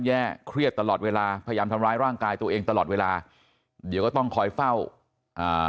แย่เครียดตลอดเวลาพยายามทำร้ายร่างกายตัวเองตลอดเวลาเดี๋ยวก็ต้องคอยเฝ้าอ่า